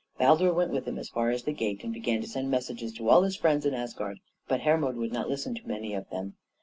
Baldur went with him as far as the gate and began to send messages to all his friends in Asgard, but Hermod would not listen to many of them.